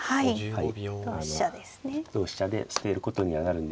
はい。